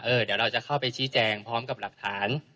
เดี๋ยวเราจะเข้าไปชี้แจงพร้อมกับหลักฐาน